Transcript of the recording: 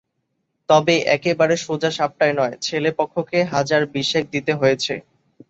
তবে একেবারে সোজা সাপটায় নয়; ছেলে পক্ষকে হাজার বিশেক দিতে হয়েছে।